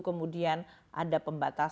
kemudian ada pembatasan